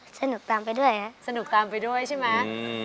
สนุกตามไปด้วยสนุกตามไปด้วยใช่ไหม